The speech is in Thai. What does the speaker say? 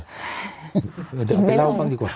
เดี๋ยวเอาไปเล่าบ้างดีกว่า